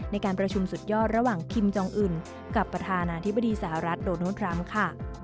ในการประชุมสุดยอดระหว่างคิมจองอื่นกับประธานาธิบดีสหรัฐโดนัลดทรัมป์ค่ะ